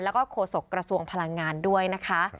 แล้วก็โฆษกระทรวงพลังงานด้วยนะคะ